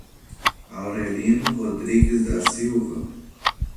Aurelino Rodrigues da Silva